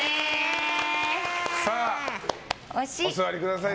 お座りください。